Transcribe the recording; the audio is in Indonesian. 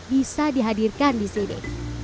bisa dihadirkan di sini